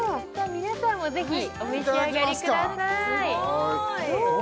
皆さんもぜひお召し上がりくださいいただきますか